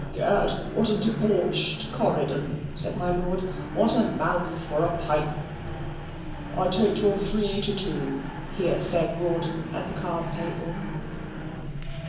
"'Gad, what a debauched Corydon!" said my lord "what a mouth for a pipe!" "I take your three to two," here said Rawdon, at the card table.